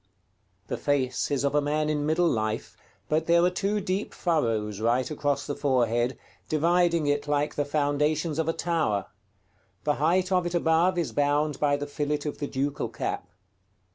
The face is of a man in middle life, but there are two deep furrows right across the forehead, dividing it like the foundations of a tower: the height of it above is bound by the fillet of the ducal cap.